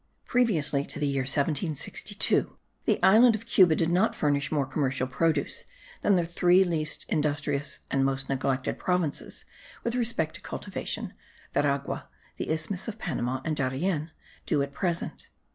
Previously to the year 1762 the island of Cuba did not furnish more commercial produce than the three least industrious and most neglected provinces with respect to cultivation, Veragua, the isthmus of Panama and Darien, do at present.